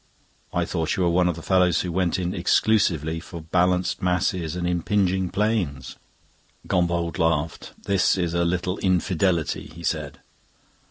"I thought you were one of the fellows who went in exclusively for balanced masses and impinging planes." Gombauld laughed. "This is a little infidelity," he said.